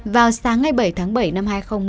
vào sáng ngày bảy tháng bảy năm hai nghìn hai mươi